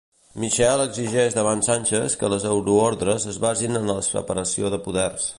Michel exigeix davant Sánchez que les euroordres es basin en la separació de poders.